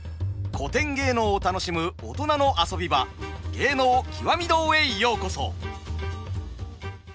古典芸能を楽しむ大人の遊び場「芸能きわみ堂」へようこそ！